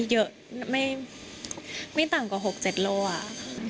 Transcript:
เยอะไม่ต่ำกว่า๖๗กิโลกรัม